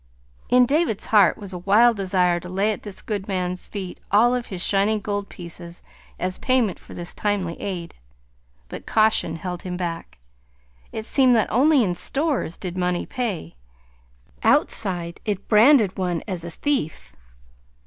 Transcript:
In David's heart was a wild desire to lay at his good man's feet all of his shining gold pieces as payment for this timely aid. But caution held him back: it seemed that only in stores did money pay; outside it branded one as a thief!